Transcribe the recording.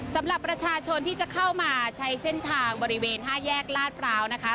สำหรับประชาชนที่จะเข้ามาใช้เส้นทางบริเวณ๕แยกลาดพร้าวนะคะ